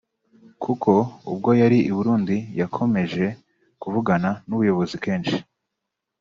kuko ubwo yari i Burundi yakomeje kuvugana n’Ubuyobozi kenshi